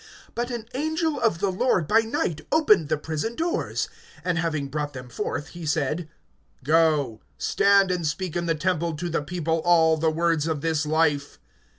(19)But an angel of the Lord by night opened the prison doors; and having brought them forth, he said: (20)Go, stand and speak in the temple to the people all the words of this life.